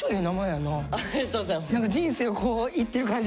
ありがとうございます。